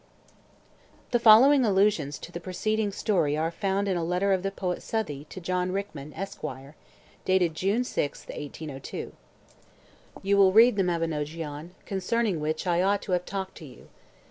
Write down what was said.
The following allusions to the preceding story are found in a letter of the poet Southey to John Rickman, Esq., dated June 6th, 1802: "You will read the Mabinogeon, concerning which I ought to have talked to you.